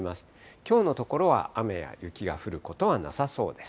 きょうのところは雨や雪が降ることはなさそうです。